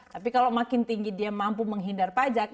tapi kalau makin tinggi dia mampu menghindar pajak